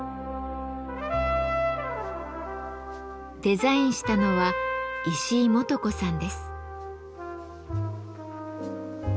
デザインしたのは石井幹子さんです。